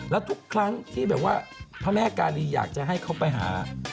แล้วทุกครั้งที่แบบว่าพระแม่กาลีอยากจะให้เขาไปหา